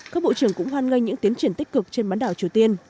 các bộ trưởng cũng hoan nghênh những tiến triển tích cực trên mạng